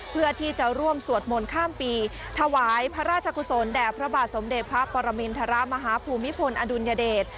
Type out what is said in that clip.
เพื่อที่จะร่วมสวดมนต์ข้ามปีถวายพระราชกุศลแด่พระบาทสมเด็จพระปรมินทรมาฮภูมิพลอดุลยเดช